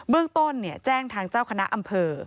เรื่องต้นแจ้งทางเจ้าคณะอำเภอ